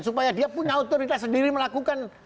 supaya dia punya otoritas sendiri melakukan